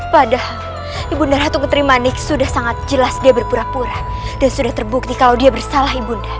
padahal ibu nda ratu kentering manik sudah sangat jelas dia berpura pura dan sudah terbukti kalau dia bersalah ibu nda